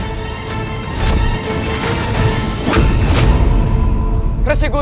tidak ada yang bisa dihukum